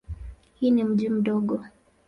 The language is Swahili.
Hii ni mji mdogo.